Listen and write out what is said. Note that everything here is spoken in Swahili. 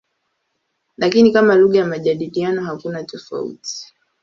Lakini kama lugha ya majadiliano hakuna tofauti.